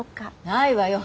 ないわよ。